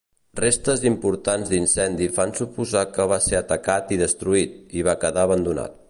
Restes importants d'incendi fan suposar que va ser atacat i destruït, i va quedar abandonat.